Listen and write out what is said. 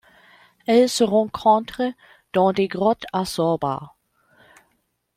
Elle se rencontre dans des grottes à Sorbas.